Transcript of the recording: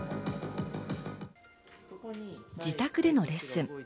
自宅でのレッスン。